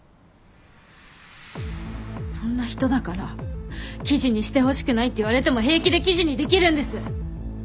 そんな人だから記事にしてほしくないって言われても平気で記事にできるんです！